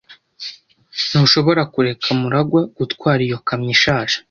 Ntushobora kureka MuragwA gutwara iyo kamyo ishaje.